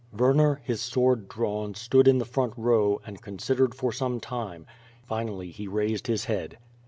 Werner, his sword drawn, stood in the front row and con sidered for some time; finally, he raised his head.